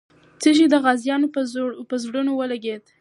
څه شی د غازیانو په زړونو ولګېد؟